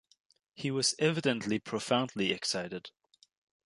He was evidently profoundly excited.